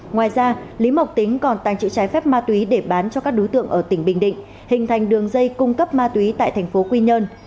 ngoài ra lý mộc tính còn tàng trữ trái phép ma túy để bán cho các đối tượng ở tỉnh bình định hình thành đường dây cung cấp ma túy tại thành phố quy nhơn